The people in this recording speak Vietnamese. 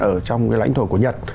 ở trong cái lãnh thổ của nhật